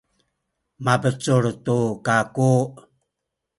mabecul tu kaku.